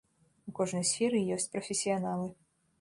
У кожнай сферы ёсць прафесіяналы.